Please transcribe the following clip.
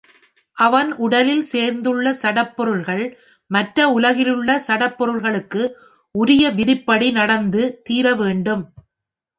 அவன் உடலில் சேர்ந்துள்ள சடப் பொருள்கள் மற்ற உலகிலுள்ள சடப் பொருள்களுக்கு உரிய விதிப்படி நடந்து தீர வேண்டும்.